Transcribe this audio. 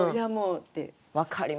分かりますわ。